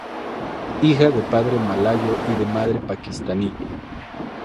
Hija de padre malayo y de madre paquistaní.